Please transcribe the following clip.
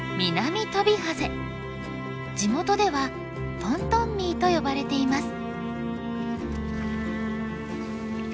地元ではトントンミーと呼ばれています。